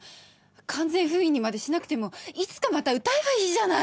完全封印にまでしなくてもいつかまた歌えばいいじゃない！